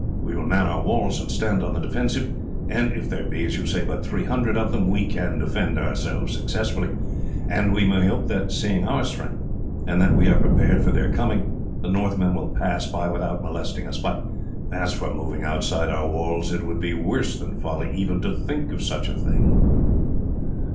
We will man our walls and stand on the defensive, and if there be, as you say, but three hundred of them, we can defend ourselves successfully; and we may hope that, seeing our strength, and that we are prepared for their coming, the Northmen will pass by without molesting us; but as for moving outside our walls, it would be worse than folly even to think of such a thing."